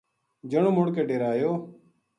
جنو مڑ کے ڈیرے ایو